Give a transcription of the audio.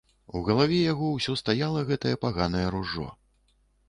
У галаве яго ўсё стаяла гэтае паганае ружжо.